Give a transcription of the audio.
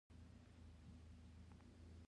د دریځ بدلېدل خلک خوشحاله کړل.